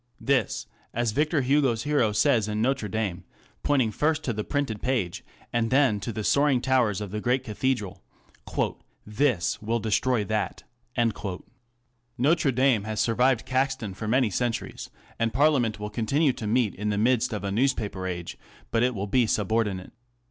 This, as Victor Hugo's hero says in " Notre Dame/' pointing first to the printed page and then to the soaring towers of the great cathedral ; ŌĆö a This will destroy that/' Notre Dame has survived Caxton for many cen turies, and Parliament will continue to meet in the midst of a news paper age, but it will be subordinate.